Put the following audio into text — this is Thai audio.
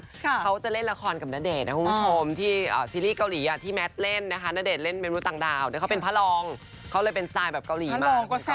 ครับก้าวจะเล่นละครกับนาเนะคุณผู้ชมอ่าที่อ่าซีรีส์